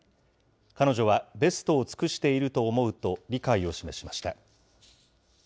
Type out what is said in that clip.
彼女はベストを尽くしていると思うと理解を示しました。